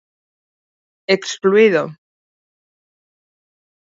¡Excluído!